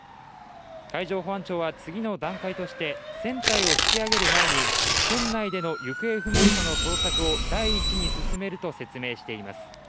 海上保安庁は次の段階として、船体を引き揚げる前に船内での行方不明者の捜索を第一に進めると説明しています。